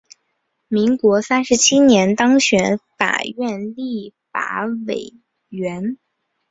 民国三十七年当选立法院立法委员。